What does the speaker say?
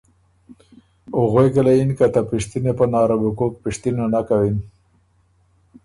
او غوېکه له یِن ”که ته پِشتِنه پناره بو کوک پِشتِنه نک کَوِن،